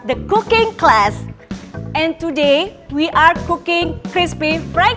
dan hari ini kita akan memasak crispy fried chicken